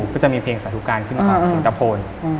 ก็จะมีเพลงสาธุกาลขึ้นของสิงตะโพน